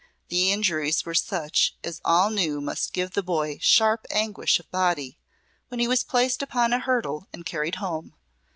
The injuries were such as all knew must give the boy sharp anguish of body, when he was placed upon a hurdle and carried home.